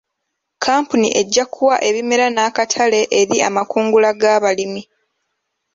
kkampuni ejja kuwa ebimera n'akatale eri amakungula g'abalimi.